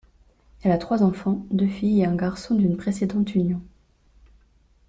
Elle a trois enfants, deux filles et un garçon d'une précédente union.